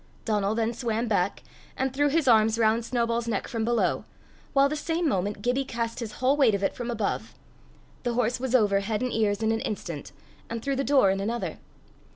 Donal then swam back, and threw his arms round Snowball's neck from below, while the same moment Gibbie cast his whole weight on it from above: the horse was over head and ears in an instant, and through the door in another.